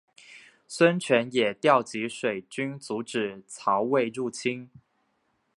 孙权也调集水军阻止曹魏入侵。